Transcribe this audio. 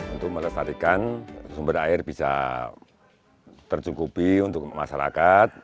untuk melestarikan sumber air bisa tercukupi untuk masyarakat